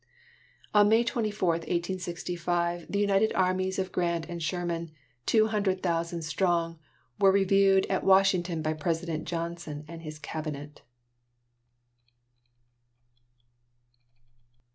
PHOEBE CARY. On May 24, 1865, the united armies of Grant and Sherman, two hundred thousand strong, were reviewed at Washington by President Johnson and his cabinet.